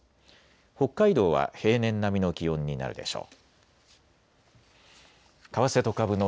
北海道は平年並みの気温になるでしょう。